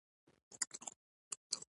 که د شانه غوندې مې زړه ټوټې ټوټې شو.